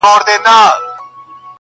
چي خبري دي ترخې لګېږي ډېري!.